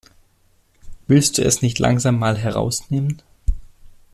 Willst du es nicht langsam mal herausnehmen?